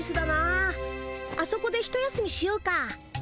あそこでひと休みしようか？